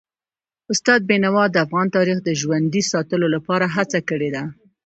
استاد بینوا د افغان تاریخ د ژوندي ساتلو لپاره هڅه کړي ده.